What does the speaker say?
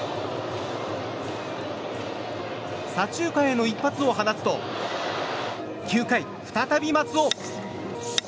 左中間への一発を放つと９回、再び松尾。